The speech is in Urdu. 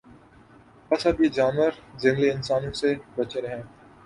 بس اب یہ جانور جنگلی انسانوں سے بچیں رھیں